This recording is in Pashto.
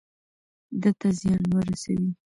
ده ته زيان ورسوي.